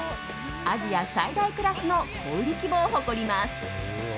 アジア最大クラスの小売り規模を誇ります。